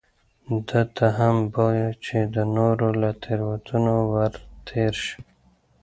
ده ته هم بویه چې د نورو له تېروتنو ورتېر شي.